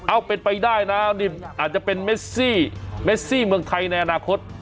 เป็นไปได้นะนี่อาจจะเป็นเมซี่เมซี่เมืองไทยในอนาคต